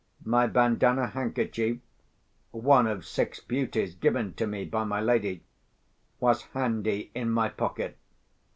My bandanna handkerchief—one of six beauties given to me by my lady—was handy in my pocket.